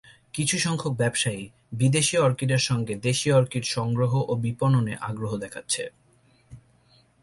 কিছুসংখ্যক ব্যবসায়ী বিদেশি অর্কিডের সঙ্গে দেশি অর্কিড সংগ্রহ ও বিপণনে আগ্রহ দেখাচ্ছে।